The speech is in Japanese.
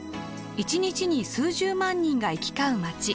一日に数十万人が行き交う街。